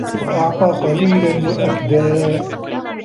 وَأَعطى قَليلًا وَأَكدى